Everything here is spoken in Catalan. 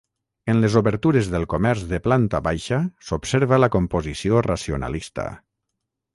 En les obertures del comerç de planta baixa s'observa la composició racionalista.